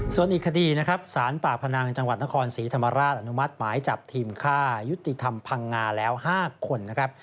ส่วนอีกคดีนะครับสารป่าพนังจังหวัดนครศรีธรรมราชอนุมัติหมายจับทีมฆ่ายุติธรรมพังงาแล้ว๕คนนะครับ